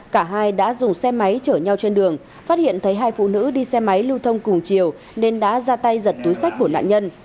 cả hai đã dùng xe máy chở nhau trên đường phát hiện thấy hai phụ nữ đi xe máy lưu thông cùng chiều nên đã ra tay giật túi sách của nạn nhân